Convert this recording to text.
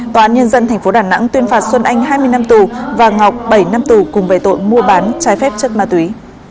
tòa án nhân dân tp đà nẵng tuyên phạt xuân anh hai mươi năm tù và ngọc bảy năm tù cùng về tội mua bán trái phép chất ma túy